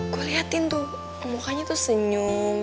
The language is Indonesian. gue liatin tuh mukanya tuh senyum